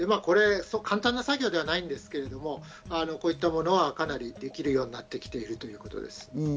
そう簡単な作業ではないんですけど、こういったものはかなりできるようになってきているということです。